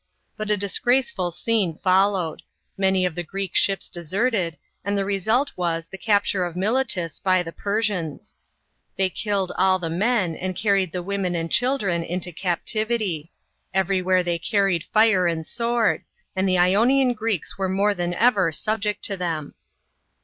But a disgraceful scene followed ; many of the Greek ships ' deserted, and the result was, the capture of Miletus, by the Persians. They killed all the men and carried the women and children into captivity. Everywhere they carried fire and sword, and the Ionian Greeks were more than ever subject to them.